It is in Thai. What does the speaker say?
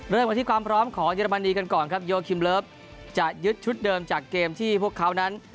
เริ่มกันที่ความพร้อมของเยอรมนีกันก่อนครับโยคิมเลิฟจะยึดชุดเดิมจากเกมที่พวกเขานั้น